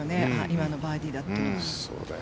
今のバーディーだって。